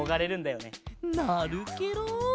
なるケロ！